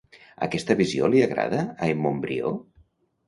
Aquesta visió li agrada a en Montbrió?